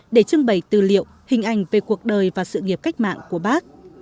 để trưng bày tư liệu hình ảnh về cuộc đời và sự nghiệp cách mạng của bác